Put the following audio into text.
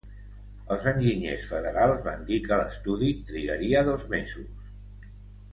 Els enginyers federals van dir que l'estudi trigaria dos mesos.